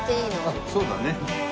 あっそうだね。